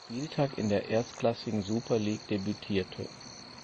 Spieltag in der erstklassigen Super League debütierte.